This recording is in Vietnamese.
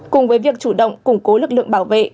cùng với việc chủ động củng cố lực lượng bảo vệ